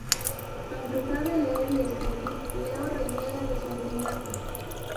Aunque sabe leer y escribir, Leo reniega de su enseñanza.